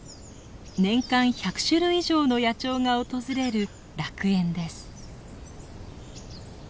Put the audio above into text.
年間１００種類以上の野鳥が訪れる楽園です。